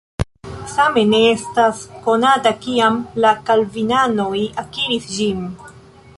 Same ne estas konata, kiam la kalvinanoj akiris ĝin.